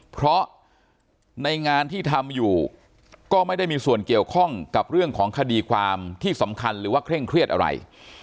เพราะในงานที่ทำอยู่ก็ไม่ได้มีส่วนเกี่ยวข้องกับเรื่องของคดีความที่สำคัญหรือว่าเคร่งเครียดอะไร